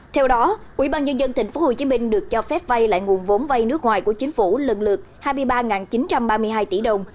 theo đó ubnd tp hcm được cho phép vay lại nguồn vốn vay nước ngoài của chính phủ lần lượt hai mươi ba chín trăm ba mươi hai tỷ đồng